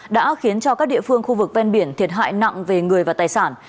đã khiến cho các địa phương khu vực ven biển thiệt hại nặng về người và tài sản